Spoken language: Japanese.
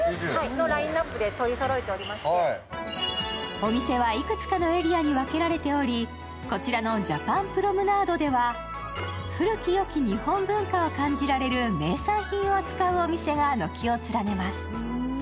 お店はいくつかのエリアに分けられており、こちらのＪａｐａｎＰｒｏｍｅｎａｄｅでは古き良き日本文化を感じられる名産品を扱うお店が軒を連ねます。